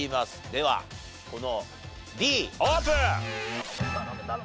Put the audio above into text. ではこのＤオープン。